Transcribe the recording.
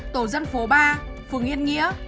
tổ dân phố ba phường yên nghĩa